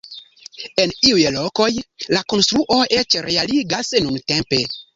En iuj lokoj, la konstruo eĉ realigas nuntempe.